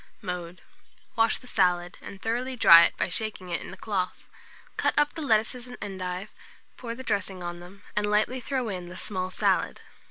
Mode. Wash the salad, and thoroughly dry it by shaking it in a cloth. Cut up the lettuces and endive, pour the dressing on them, and lightly throw in the small salad.